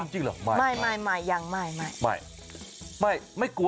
ห้า